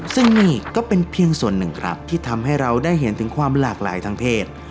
ซึ่งนี่ก็เป็นเพียงส่วนหนึ่งครับที่ทำให้เราได้เห็นถึงความหลากหลายทางเพศ